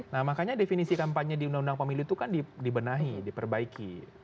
nah makanya definisi kampanye di undang undang pemilu itu kan dibenahi diperbaiki